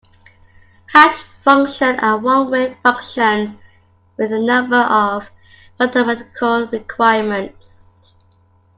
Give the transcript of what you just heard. Hash functions are one-way functions with a number of mathematical requirements.